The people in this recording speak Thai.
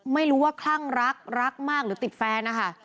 ไม่รู้ว่าคลั่งรักรักมากหรือติดแฟนนะคะ